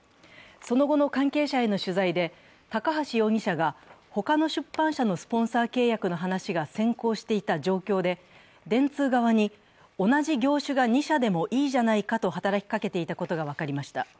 その後の関係者への取材で高橋容疑者が他の出版社のスポンサー契約の話が先行していた状況で、電通側に同じ業種が２社でもいいじゃないかと働きかけていたことが分かりました。